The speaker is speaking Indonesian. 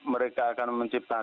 mereka akan menciptakan